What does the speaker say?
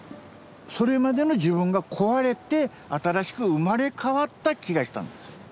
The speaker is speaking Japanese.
それまでの自分が壊れて新しく生まれ変わった気がしたんです。